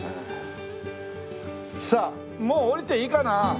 さあもう下りていいかな？